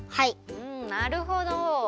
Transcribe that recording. うんなるほど。